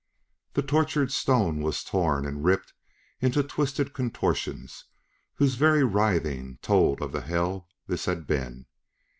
The tortured stone was torn and ripped into twisted contortions whose very writhing told of the hell this had been.